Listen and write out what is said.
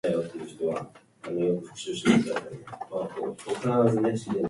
全然ないんだけど